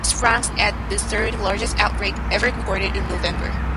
This ranks as the third largest outbreak ever recorded in November.